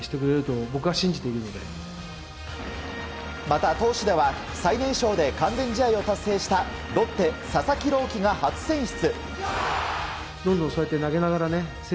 また、投手では最年少で完全試合を達成したロッテ、佐々木朗希が初選出。